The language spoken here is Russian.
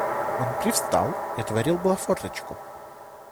Он привстал и отворил было форточку.